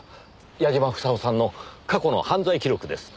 矢嶋房夫さんの過去の犯罪記録です。